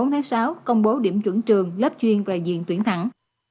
theo điểm chuẩn trường lớp chuyên và diện tuyển thẳng